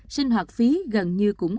sinh hoạt phí gần như cũng